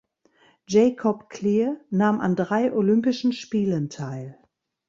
Jacob Clear nahm an drei Olympischen Spielen teil.